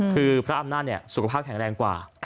คือพระอำนาจสุขภาพแข็งแรงกว่า